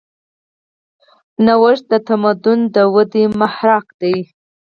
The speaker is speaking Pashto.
نوښت د تمدن د ودې محرک دی.